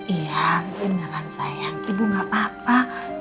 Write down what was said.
iya beneran sayang ibu gak apa apa